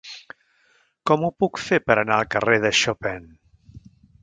Com ho puc fer per anar al carrer de Chopin?